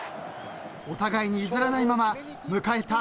［お互いに譲らないまま迎えた］